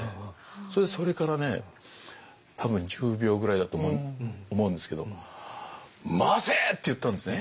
それでそれからね多分１０秒ぐらいだと思うんですけど「回せ！」って言ったんですね。